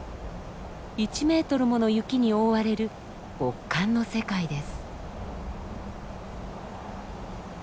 １ｍもの雪に覆われる極寒の世界です。